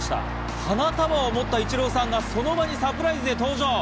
花束を持ったイチローさんがその場にサプライズで登場。